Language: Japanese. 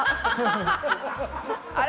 あれ？